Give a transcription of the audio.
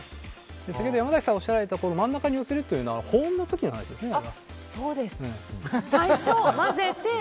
先ほど山崎さんおっしゃられた真ん中に寄せるというのは保温の時の話ですね。